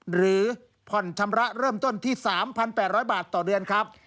หรือผ่อนชำระเริ่มต้นที่๓๘๐๐บาทต่อเดือนครับ